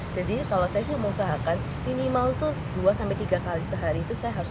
jadi kalau saya sih mau usahakan minimal itu dua sampai tiga kali sehari itu saya bisa